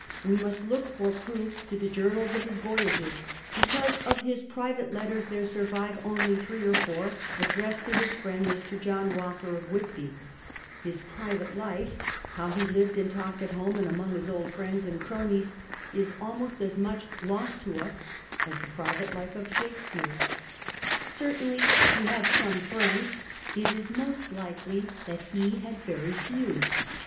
We must look for proof to the journals of his voyages, be cause of his private letters, there survive only three or four addressed to his friend Mr. John Walker of AVhitby. Ill HIS PRIVATE LIFE 35 His private life — how he lived and talked at home and among his old friends and cronies — is almost as much lost to us as the private life of Shakespeare. Certainly he had some friends — it is most likely that he had very few.